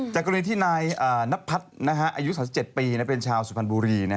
กรณีที่นายนพัฒน์อายุ๓๗ปีเป็นชาวสุพรรณบุรี